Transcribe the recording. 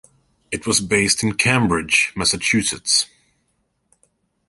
It was based in Cambridge, Massachusetts.